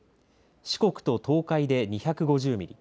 四国と東海で２５０ミリ